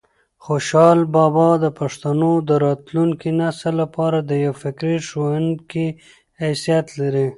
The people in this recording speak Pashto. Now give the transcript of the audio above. خوشحال بابا د پښتنو د راتلونکي نسل لپاره د یو فکري ښوونکي حیثیت لري.